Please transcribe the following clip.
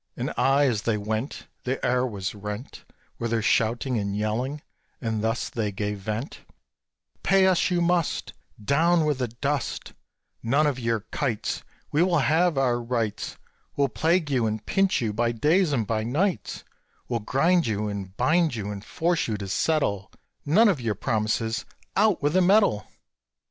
And aye as they went, The air was rent With their shouting and yelling, and thus they gave vent: "Pay us you must, Down with the dust; None of your "kites," We will have our rights; We'll plague you and pinch you by days and by nights; We'll grind you, and bind you, and force you to settle: None of your promises out with the metal!"